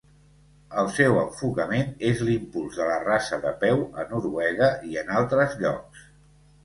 El seu enfocament és l'impuls de la raça de peu a Noruega i en altres llocs.